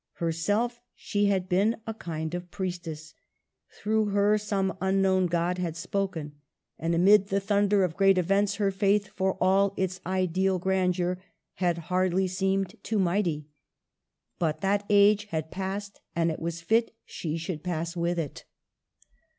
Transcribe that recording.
Herself, she had been a kind of priestess ; through her some un known God had spoken, and amid the thunder of Digitized by VjOOQLC CLOSING SCENES. 20$ great events her faith, for all its ideal grandeur, had hardly seemed too mighty. But that age had passed, and it was fit she should pass with it.